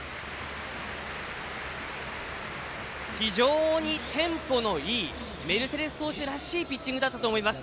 非常にテンポのいいメルセデス投手らしいピッチングだったと思います。